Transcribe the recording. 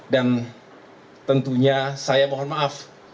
dan tentunya saya mohon maaf